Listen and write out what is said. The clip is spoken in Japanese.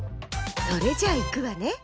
それじゃあいくわね。